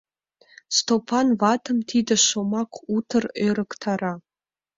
Стопан ватым тиде шомак утыр ӧрыктара.